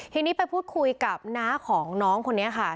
ทีนี้ไปพูดคุยกับน้าของน้องคนนี้ค่ะ